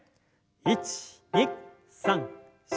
１２３４。